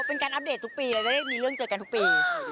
เป็นการอัปเดตทุกปีเลยจะได้มีเรื่องเจอกันทุกปี